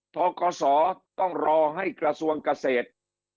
ทกศต้องรอให้กระทรวงเกษตร